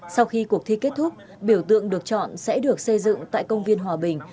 sau khi cuộc thi kết thúc biểu tượng được chọn sẽ được xây dựng tại công viên hòa bình